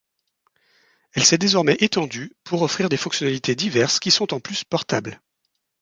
Elle s'est désormais étendue pour offrir des fonctionnalités diverses qui sont en plus portables.